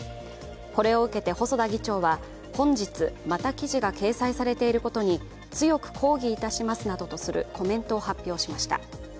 これを受けて細田議長は本日また記事が掲載されていることに強く抗議いたしますなどとするコメントを発表しました。